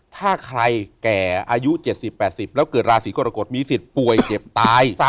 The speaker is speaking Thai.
ถ้าใครแก่อายุ๗๐๘๐แล้วเกิดราศีกรกฎมีสิทธิ์ป่วยเจ็บตาย